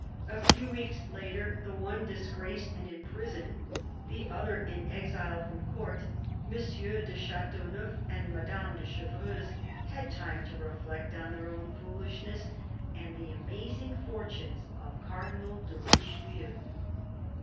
A few weeks later, the one disgraced and in prison, the other an exile from Court, M. de Chateauneuf and Madame de Chevreuse had time to reflect on their own foolishness and the amazing fortunes of Cardinal de Richelieu.